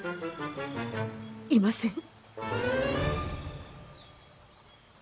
いません。